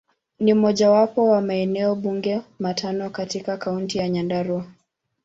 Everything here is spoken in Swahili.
Ni mojawapo wa maeneo bunge matano katika Kaunti ya Nyandarua.